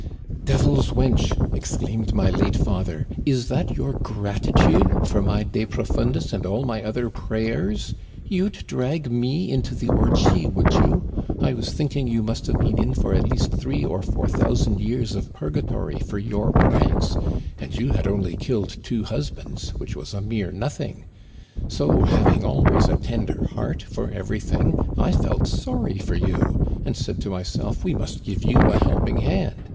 "* Devil's wench !' exclaimed my late father, * is that your gratitude for my de profundis and all my other prayers ? You'd drag me into the orgie, would you ? I was thinking you must have been in for at least three or four thousand years of purgatory for your pranks ; and you had only killed two husbands — which was a mere Digitized by VjOOQIC 52 THE CANADIANS OF OLD, nothing. So having always a tender heart for every thing, I felt sorry for you, and said to myself we must give you a helping hand.